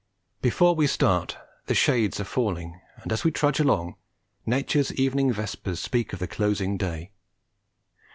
Before we start the shades are falling, and as we trudge along nature's evening vespers speak of the closing day.